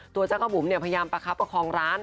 ตัวจักรบุ๋มพยายามประคับประคองร้าน